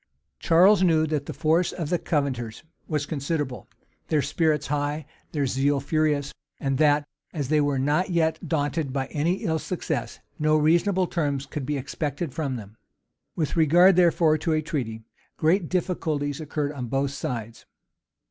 Charles knew that the force of the Covenanters was considerable, their spirits high, their zeal furious; and that, as they were not yet daunted by any ill success, no reasonable terms could be expected from them. With regard therefore to a treaty, great difficulties occurred on both sides.